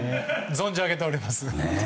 存じ上げております。